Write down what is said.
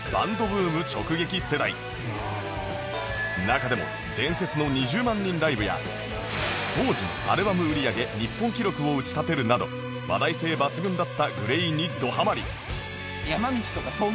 中でも伝説の２０万人ライブや当時のアルバム売り上げ日本記録を打ち立てるなど話題性抜群だった ＧＬＡＹ にどハマリ